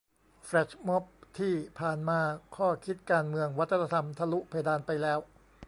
แฟลชม็อบที่ผ่านมา ข้อคิดการเมืองวัฒนธรรมทะลุเพดานไปแล้ว